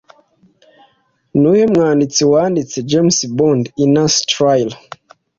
Nuwuhe mwanditsi wanditse James Bond Intasi Thrillers